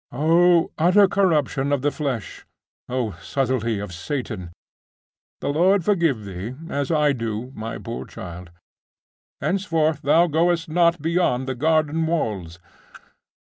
Oh utter corruption of the flesh! oh subtilty of Satan! The Lord forgive thee, as I do, my poor child; henceforth thou goest not beyond the garden walls.